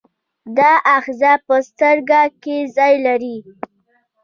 دا آخذه په سترګه کې ځای لري.